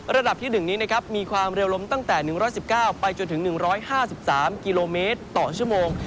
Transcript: ระดับที่๑นี้นะครับมีความเร็วลมตั้งแต่๑๑๙ไปจนถึง๑๕๓กิโลเมตรต่อชั่วโมง